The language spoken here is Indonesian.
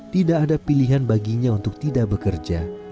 tidak ada pilihan baginya untuk tidak bekerja